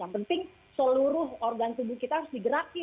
yang penting seluruh organ tubuh kita harus digerakkan